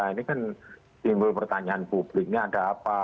ini kan timbul pertanyaan publiknya ada apa